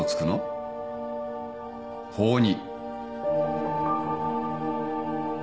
法に。